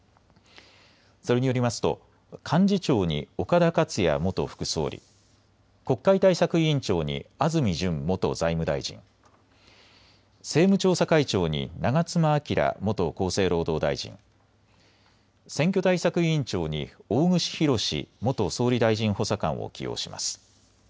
それによりますと幹事長に岡田克也元副総理、国会対策委員長に安住淳元財務大臣、政務調査会長に長妻昭元厚生労働大臣、選挙対策委員長に大串博志元総理大臣補佐官を起用します。